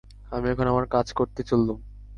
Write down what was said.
আমি এখন আমার কাজ করতে চললুম।